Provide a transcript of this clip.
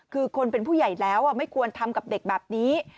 คือคนเป็นผู้ใหญ่แล้วไม่ควรทำกับเด็กแบบนี้